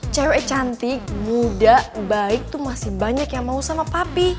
cewe cantik muda baik tuh masih banyak yang mau sama papi